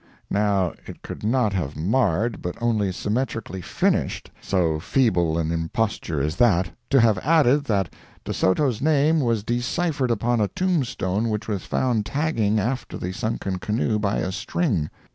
Now, it could not have marred, but only symmetrically finished, so feeble an imposture as that, to have added that De Soto's name was deciphered upon a tombstone which was found tagging after the sunken canoe by a string.